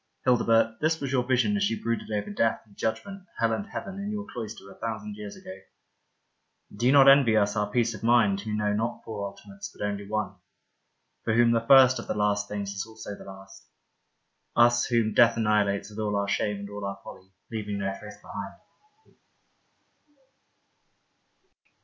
Hildebert, this was your vision as you brooded over death and judgment, hell and heaven, in your cloister, a thousand years ago. Do you not envy us our peace of mind who know not four ultimates, but only one ? For whom the lirst of the Last Things is also the last — us, whom death annihilates with all our shame and all our folly, leaving no trace behind.